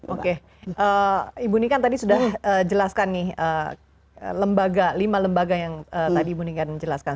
oke ibu nika tadi sudah jelaskan nih lembaga lima lembaga yang tadi ibu nika jelaskan